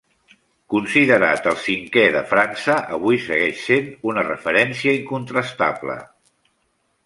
Considerat el cinquè de França, avui segueix sent una referència incontrastable.